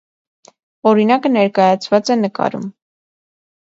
Օրինակը ներկայացված է նկարում։